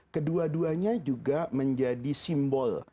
kedua duanya juga menjadi simbol